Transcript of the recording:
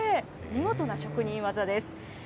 見事な職人技です。